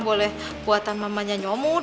boleh buatan mamanya nyomut